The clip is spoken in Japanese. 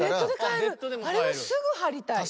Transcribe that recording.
あれはすぐ張りたい。